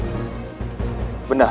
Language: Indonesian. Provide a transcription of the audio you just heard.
jangan lupa hendaro